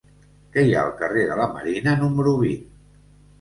Què hi ha al carrer de la Marina número vint?